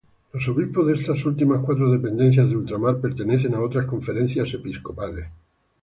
Los obispos de estas últimas cuatro dependencias de ultramar pertenecen a otras conferencias episcopales.